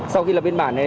sau khi làm biên bản này